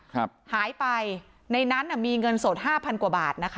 หายไปในนั้นน่ะมีเงินสดห้าพันกว่าบาทนะคะ